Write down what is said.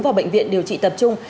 vào bệnh viện điều trị tập trung